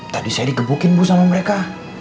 tadi saya digebukin bu sama mereka